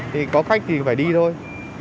thì có khách thì phải đi thôi